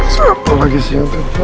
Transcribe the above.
siapa lagi si yang terpaksa mbak